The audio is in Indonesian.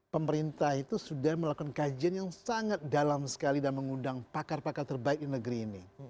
pemerintah itu sudah melakukan kajian yang sangat dalam sekali dan mengundang pakar pakar terbaik di negeri ini